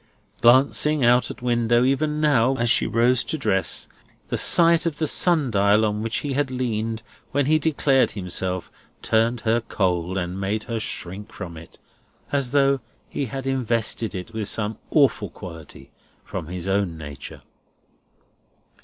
Glancing out at window, even now, as she rose to dress, the sight of the sun dial on which he had leaned when he declared himself, turned her cold, and made her shrink from it, as though he had invested it with some awful quality from his own nature.